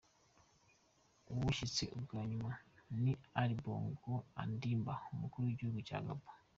Uwushitse ubwa nyuma ni Ali Bongo Ondimba umukuru w’igihugu ca Gabo.